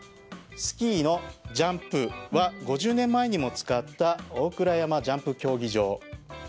スキーのジャンプは５０年前にも使った大倉山ジャンプ競技場。